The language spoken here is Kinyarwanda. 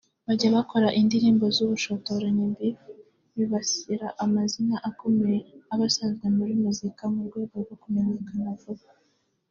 bajya bakora indirimbo z’ubushotoranyi ’Beef’ bibasira amazina akomeye aba asanzwe muri muzika mu rwego rwo kumenyekana vuba